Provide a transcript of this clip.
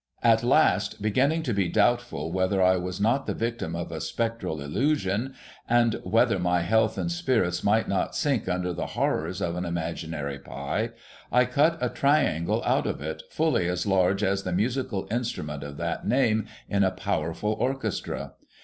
At last, beginning to be doubtful whether I was not the victim of a spectral illusion, and whether my health and spirits might not sink under the horrors of an imaginary pie, I cut a triangle out of it, fully as large as the musical instrument of that name in a powerful orchestra.